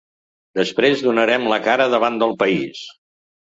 Després donarem la cara davant del país.